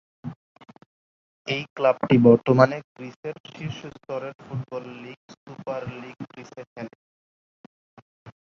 এই ক্লাবটি বর্তমানে গ্রিসের শীর্ষ স্তরের ফুটবল লীগ সুপার লীগ গ্রিসে খেলে।